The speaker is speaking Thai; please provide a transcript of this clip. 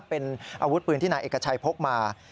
เป็นอาวุธปืนที่นายเอกชัยพกมา